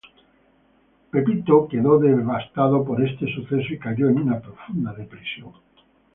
Hitler quedó devastado por este suceso y cayó en una profunda depresión.